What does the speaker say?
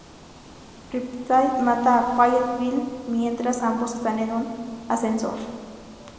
Riptide mata a Quiet Bill mientras ambos están en un ascensor.